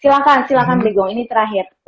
silahkan silahkan brigong ini terakhir